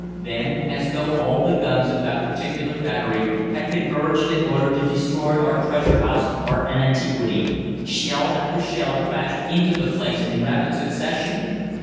Then, as though all the guns of that particular battery had converged in order to destroy our treasure house of art and antiquity, shell after shell crashed into the place in rapid succession.